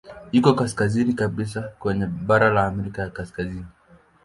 Iko kaskazini kabisa kwenye bara la Amerika ya Kaskazini.